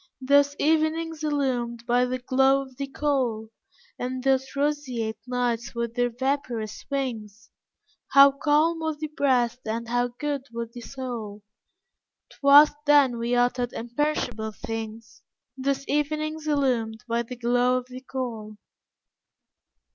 Those evenings illumed by the glow of the coal, And those roseate nights with their vaporous wings, How calm was thy breast and how good was thy soul, 'Twas then we uttered imperishable things, Those evenings illumed by the glow of the coal.